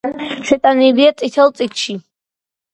შეტანილია „წითელ წიგნში“.